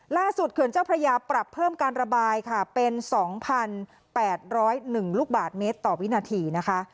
ล่าสุดเขื่อนเจ้าพระยาปรับเพิ่มการระบายค่ะเป็นสองพันแปดร้อยหนึ่งลูกบาทเมตรต่อวินาทีนะคะ